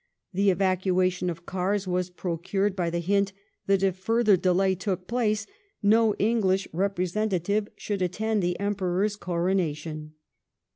The evacuation of Kars wi|s procured by the hint that if further delay took place no English representative should attend the Emperor's coronation.